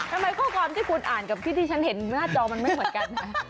ทำไมข้อความที่คุณอ่านกับคลิปที่ฉันเห็นหน้าจอมันไม่เหมือนกันนะ